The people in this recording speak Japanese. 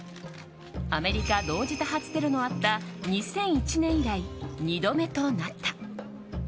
アメリカ同時多発テロのあった２００１年以来２度目となった。